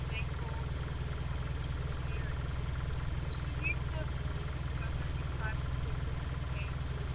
make all that had been promised for the fairies; she knew several, but only five or six of them came.